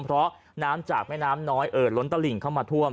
เพราะน้ำจากแม่น้ำน้อยเอ่อล้นตลิ่งเข้ามาท่วม